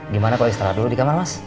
gimana kalau istirahat dulu di kamar mas